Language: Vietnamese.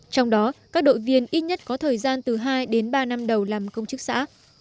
trong đó các đội viên ít nhất có thời gian từ hai đến ba năm đầu làm công chức xã